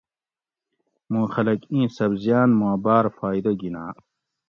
مُوں خلک اِیں سبزیاٞن ما باٞر فائدہ گِھناٞں